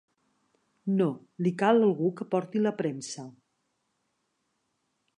No, li cal algú que porti la premsa.